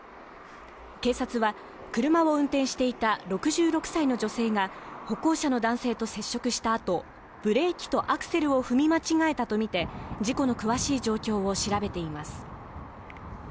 警察は車を運転していた６６歳の女性が歩行者の男性と接触したあとブレーキとアクセルを踏み間違えたとみて事故の詳しい状況を調べています。